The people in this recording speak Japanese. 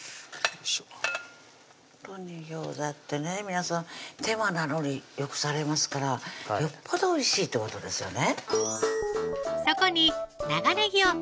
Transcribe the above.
ギョーザってね皆さん手間なのによくされますからよっぽどおいしいってことですよね